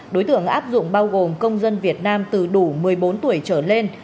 đối tượng áp dụng bao gồm công dân việt nam từ đủ một mươi bốn tuổi trở lên